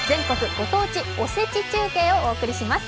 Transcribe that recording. ご当地おせち中継をお送りします。